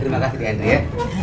terima kasih diantre ya